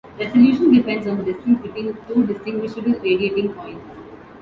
Resolution depends on the distance between two distinguishable radiating points.